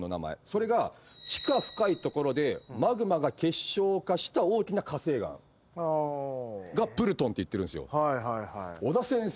それが地下深い所でマグマが結晶化した大きな火成岩がプルトンって言ってるんですよ。